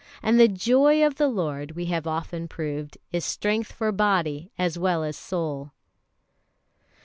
And the joy of the Lord, we have often proved, is strength for body as well as soul.